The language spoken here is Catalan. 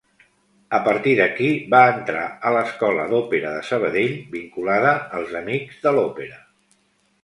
A partir d'aquí va entrar a l'Escola d'Òpera de Sabadell, vinculada als Amics de l'Òpera.